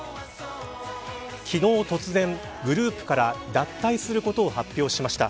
昨日、突然グループから脱退することを発表しました。